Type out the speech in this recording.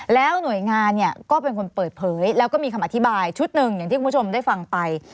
แล้วหน่วยงานเนี่ยก็เป็นคนเปิดเผยแล้วก็มีคำอธิบายชุดหนึ่งอย่างที่คุณผู้ชมได้ฟังไป